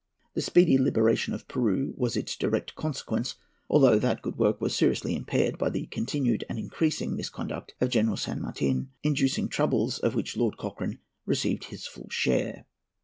The speedy liberation of Peru was its direct consequence, although that good work was seriously impaired by the continued and increasing misconduct of General San Martin, inducing troubles, of which Lord Cochrane received his full share.